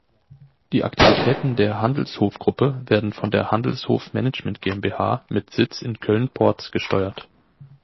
Die Aktivitäten der Handelshof-Gruppe werden von der Handelshof Management-GmbH mit Sitz in Köln-Porz gesteuert.